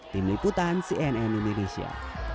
tim liputan cnn indonesia